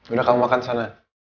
udah kamu makan sana